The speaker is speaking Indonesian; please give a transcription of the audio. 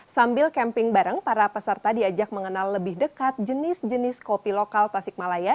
sambil camping bareng para peserta diajak mengenal lebih dekat jenis jenis kopi lokal tasikmalaya